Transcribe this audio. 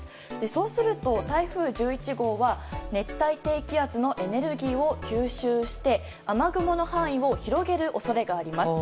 そうすると、台風１１号は熱帯低気圧のエネルギーを吸収して雨雲の範囲を広げる恐れがあります。